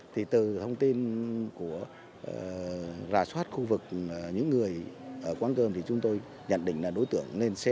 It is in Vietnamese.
thì từ thông tin của rà soát khu vực những người ở quán cơm thì chúng tôi nhận định là đối tượng nên xe